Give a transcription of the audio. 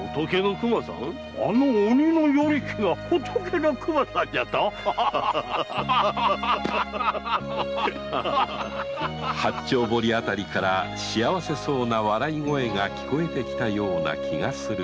あの“鬼の与力”が“仏の熊さん”じゃと⁉八丁堀辺りから幸せそうな笑い声が聞こえてきたような気がする吉宗であった